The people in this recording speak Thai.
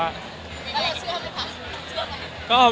แล้วเชื่อแหลมจะผ่าน